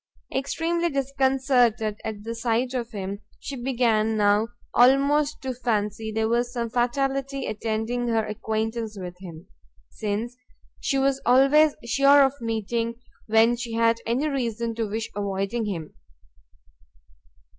Extremely disconcerted at the sight of him, she began now almost to fancy there was some fatality attending her acquaintance with him, since she was always sure of meeting, when she had any reason to wish avoiding him.